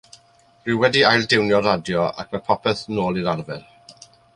Rwy wedi ail diwnio'r radio ac mae popeth nôl i'r arfer.